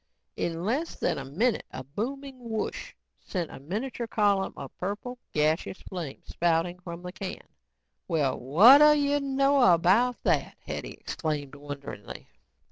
In less than a minute a booming whoosh sent a miniature column of purple, gaseous flame spouting from the can. "Well whadda you know about that?" Hetty exclaimed wonderingly.